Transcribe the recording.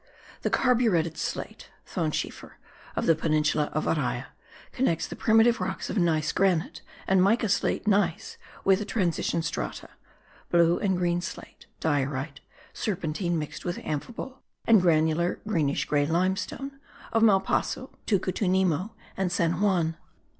The carburetted slate (thonschiefer) of the peninsula of Araya connects the primitive rocks of gneiss granite and mica slate gneiss with the transition strata (blue and green slate, diorite, serpentine mixed with amphibole and granular greenish grey limestone) of Malpasso, Tucutunemo and San Juan.